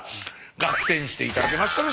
ガッテンして頂けましたでしょうか？